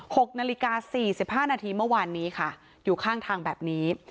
หกนาฬิกา๔๕นาทีเมื่อวานนี้อยู่ข้างทางแบบนี้